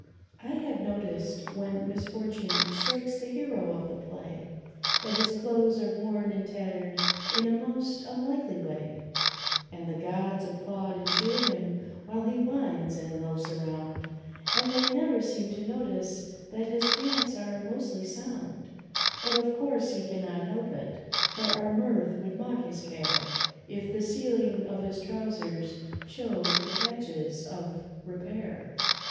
I have noticed when misfortune strikes the hero of the play That his clothes are worn and tattered in a most unlikely way ; And the gods applaud and cheer him while he whines and loafs around, But they never seem to notice that his pants are mostly sound ; Yet, of course, he cannot help it, for our mirth would mock his care If the ceiling of his trousers showed the patches of repair.